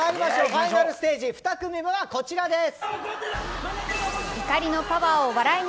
ファイナルステージ２組目はこちらです。